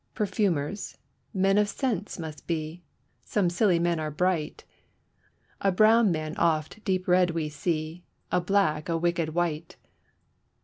Perfumers, men of scents must be, some Scilly men are bright; A brown man oft deep read we see, a black a wicked wight.